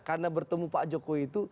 karena bertemu pak jokowi itu